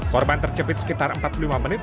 korban terjepit sekitar empat puluh lima menit